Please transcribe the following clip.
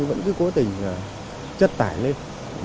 vẫn cứ cố tình chất tải lên